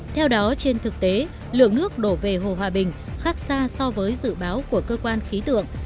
theo đó trên thực tế lượng nước đổ về hồ hòa bình khác xa so với dự báo của cơ quan khí tượng